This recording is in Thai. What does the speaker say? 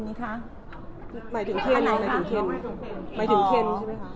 หมายถึงเคน